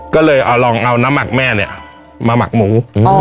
ก็เลยเอาลองเอาน้ำหมักแม่เนี่ยมาหมักหมู